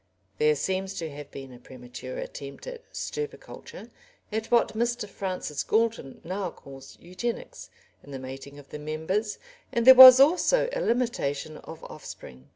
There seems to have been a premature attempt at "stirpiculture," at what Mr. Francis Galton now calls "Eugenics," in the mating of the members, and there was also a limitation of offspring.